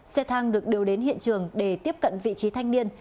xe thang được đưa đến hiện trường để tiếp cận vị trí thanh niên